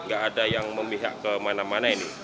gak ada yang memihak kemana mana ini